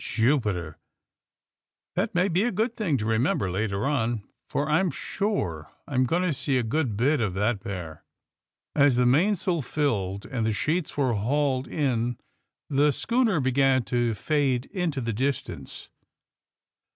^* Jupi ter! That may be a good thing to remember later on — for I'm sure I'm going to see a good bit of that pair. '' As the mainsail filled and the sheets were hauled in the schooner began to fade into the distance.